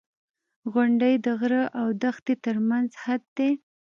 • غونډۍ د غره او دښتې ترمنځ حد دی.